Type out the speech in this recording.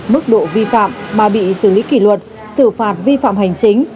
mức độ vi phạm mà bị xử lý kỷ luật xử phạt vi phạm hành chính